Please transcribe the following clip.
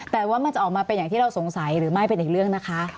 แต่ว่ามันจะออกมาเป็นอย่างที่เราสงสัยหรือไม่เป็นอีกเรื่องนะคะ